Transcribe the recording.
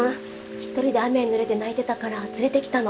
一人で雨にぬれて泣いてたから連れてきたの。